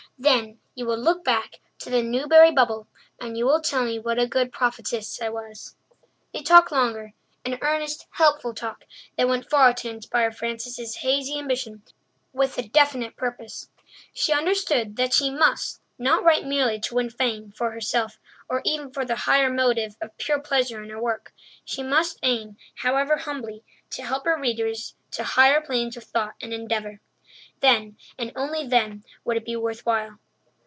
Then you will look back to the 'Newbury Bubble,' and you will tell me what a good prophetess I was." They talked longer—an earnest, helpful talk that went far to inspire Frances's hazy ambition with a definite purpose. She understood that she must not write merely to win fame for herself or even for the higher motive of pure pleasure in her work. She must aim, however humbly, to help her readers to higher planes of thought and endeavour. Then and only then would it be worth while.